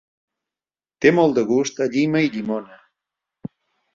Té molt de gust a llima i llimona.